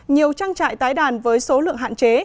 nhiều trang trại tái đàn với số lượng hạn chế